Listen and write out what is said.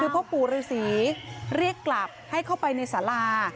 พ่อปู่ฤษีเรียกกลับให้เข้าไปในสารา